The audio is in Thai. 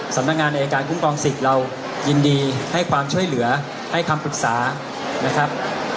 สำนักงานอายการคุ้มครองสิทธิ์เรายินดีให้ความช่วยเหลือให้คำปรึกษานะครับ